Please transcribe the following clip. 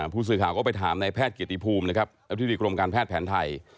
ผู้สื่อข่าวก็ไปถามในแพทย์เกียรติภูมินะครับอธิบดีกรมการแพทย์แผนไทย